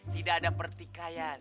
tidak ada pertikaian